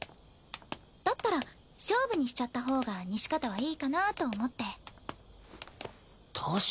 だったら勝負にしちゃった方が西片はいいかなと思って。